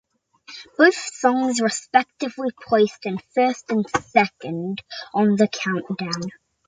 Both songs respectively placed in first and second on the countdown.